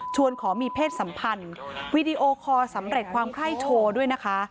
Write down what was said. ขอมีเพศสัมพันธ์วีดีโอคอลสำเร็จความไคร้โชว์ด้วยนะคะ